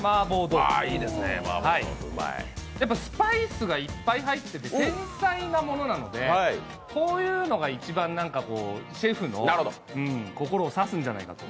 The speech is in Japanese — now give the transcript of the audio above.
スパイスがいっぱい入ってて、繊細なものなので、こういうのが一番シェフの心を刺すんじゃないかと。